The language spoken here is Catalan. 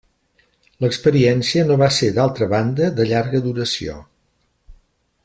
L'experiència no va ser d'altra banda de llarga duració.